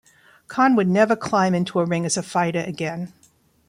Conn would never climb into a ring as a fighter again.